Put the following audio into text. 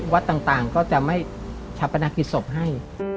วัดต่างก็จะไม่ชาปนากิจศพให้